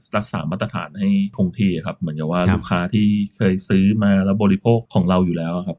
รักษามาตรฐานให้คงที่ครับเหมือนกับว่าลูกค้าที่เคยซื้อมาแล้วบริโภคของเราอยู่แล้วครับ